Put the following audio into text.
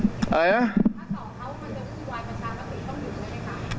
ถ้าส่องเขามันจะคุยวายประชาปฏิบัติต้องอยู่ไงครับ